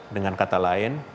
dengan kata lain